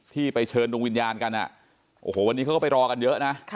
ไปเชิญดวงวิญญาณกันโอ้โหวันนี้เขาก็ไปรอกันเยอะนะ